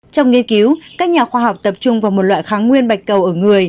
trong nghiên cứu các nhà khoa học tập trung vào một loại kháng nguyên bạch cầu ở người